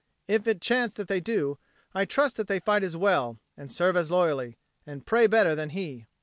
If it chance that they do, I trust that they fight as well, and serve as loyally, and pray better than he.